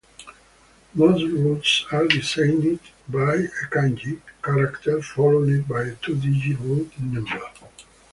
Most routes are designated by a "kanji" character followed by a two-digit route number.